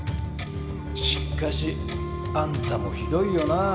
しかしあんたもひどいよなあ。